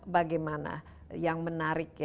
bagaimana yang menarik